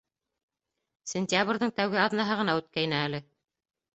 Сентябрҙең тәүге аҙнаһы ғына үткәйне әле.